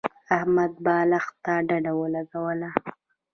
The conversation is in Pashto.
احمد بالښت ته ډډه ولګوله.